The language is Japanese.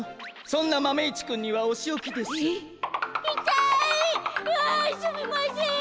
そんなマメ１くんにはおしおきです。え？